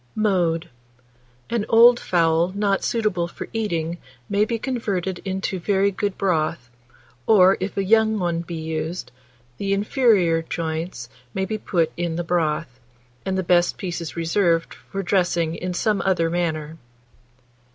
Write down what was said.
Mode. An old fowl not suitable for eating may be converted into very good broth, or, if a young one be used, the inferior joints may be put in the broth, and the best pieces reserved for dressing in some other manner.